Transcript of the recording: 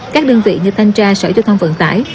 các đơn vị như thanh tra sở giao thông vận tải